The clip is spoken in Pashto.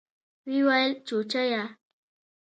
ويې ويل چوچيه.